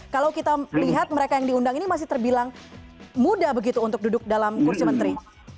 kalau kita lihat mereka yang diundang ini masih terbilang muda begitu untuk duduk dalam kursi menteri